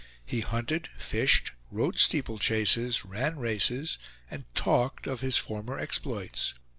He hunted, fished, rode steeple chases, ran races, and talked of his former exploits.